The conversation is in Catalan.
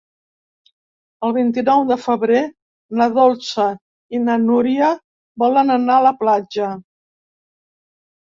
El vint-i-nou de febrer na Dolça i na Núria volen anar a la platja.